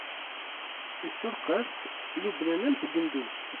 Isserqas Lubnan am tgenduzt.